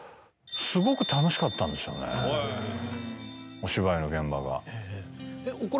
お芝居の現場が。